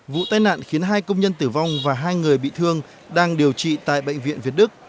vụ tai nạn khiến hai công nhân tử vong và hai người bị thương đang điều trị tại bệnh viện việt đức